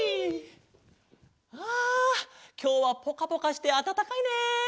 あきょうはぽかぽかしてあたたかいね。